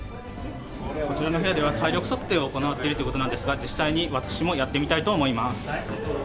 こちらの部屋では、体力測定を行っているということなんですが、実際に私もやってみたいと思います。